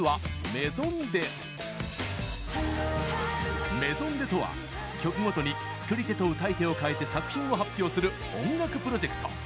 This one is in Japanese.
ＭＡＩＳＯＮｄｅｓとは曲ごとに「作り手」と「歌い手」をかえて作品を発表する音楽プロジェクト。